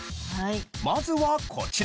まずはこちら。